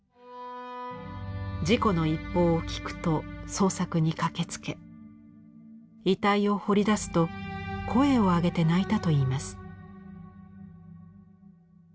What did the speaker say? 事故の一報を聞くと捜索に駆けつけ遺体を掘り出すと声をあげて泣いたといいます。